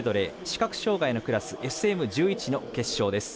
視覚障がいのクラスＳＭ１１の決勝です。